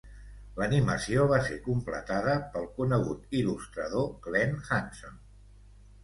L'animació va ser completada pel conegut il·lustrador, Glen Hanson.